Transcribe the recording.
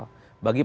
bagi partai politik